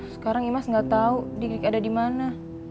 sekarang imas nggak tau dik dik ada di mana